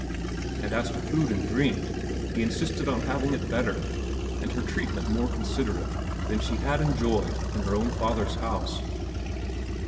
And as to food and drink, he insisted on having it better, and her treatment more considerate than she had enjoyed in her own father's house.